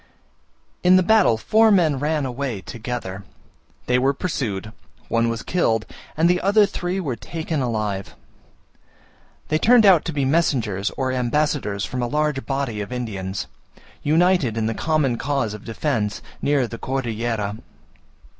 In the battle four men ran away together. They were pursued, one was killed, and the other three were taken alive. They turned out to be messengers or ambassadors from a large body of Indians, united in the common cause of defence, near the Cordillera.